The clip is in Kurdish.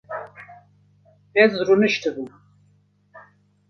Ez rûniştibûm